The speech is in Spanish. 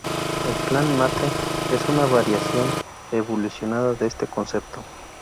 El "Plane Mate" es una variación evolucionada de este concepto.